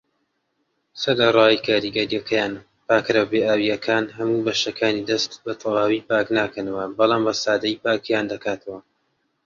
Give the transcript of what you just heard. سەرەڕای کاریگەریەکەیان، پاکەرەوە بێ ئاویەکان هەموو بەشەکانی دەست بەتەواوی پاکناکەنەوە بەڵام بەسادەیی پاکیان دەکاتەوە.